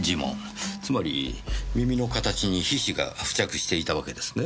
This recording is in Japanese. つまり耳の形に皮脂が付着していたわけですね。